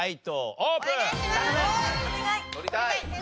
取りたい。